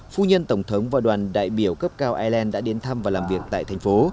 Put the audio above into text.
phu nhân tổng thống và đoàn đại biểu cấp cao ireland đã đến thăm và làm việc tại thành phố